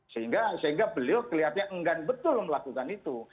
sehingga beliau kelihatannya enggan betul melakukan itu